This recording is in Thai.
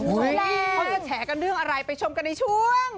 เขาจะแฉกันเรื่องอะไรไปชมกันในช่วง